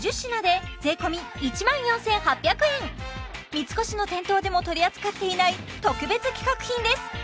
三越の店頭でも取り扱っていない特別企画品です